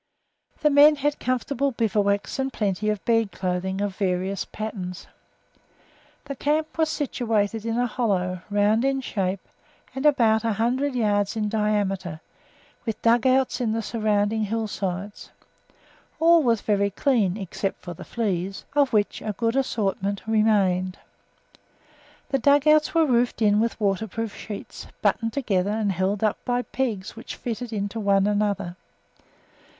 The men had comfortable bivouacs and plenty of bed clothing of various patterns. The camp was situated in a hollow, round in shape and about a hundred yards in diameter, with dug outs in the surrounding hillsides; all was very clean, except for the fleas, of which a good assortment remained. The dug outs were roofed in with waterproof sheets, buttoned together and held up by pegs which fitted into one another.